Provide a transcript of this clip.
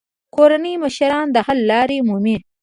کورني مشران د حل لارې مومي.